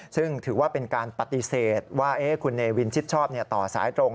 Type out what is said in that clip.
ซึ่งถือว่าเป็นการปฏิเสธว่าคุณเนวินชิดชอบต่อสายตรง